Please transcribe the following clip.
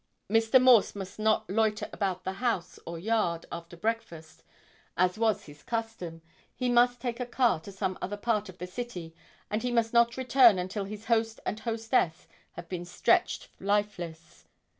Mr. Morse must not loiter about the house or yard after breakfast as was his custom; he must take a car to some other part of the city and he must not return until his host and hostess have been stretched lifeless.